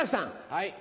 はい。